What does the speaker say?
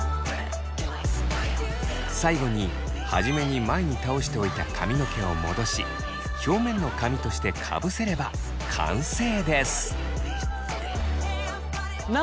最後に初めに前に倒しておいた髪の毛を戻し表面の髪としてかぶせれば完成です。